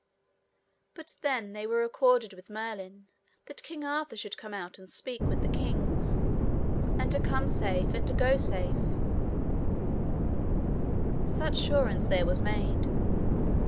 But then were they accorded with Merlin, that King Arthur should come out and speak with the kings, and to come safe and to go safe, such surance there was made.